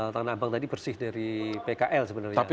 tun yoursi trenambang bersih